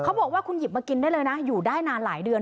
บอกว่าคุณหยิบมากินได้เลยนะอยู่ได้นานหลายเดือน